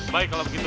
baik kalau begitu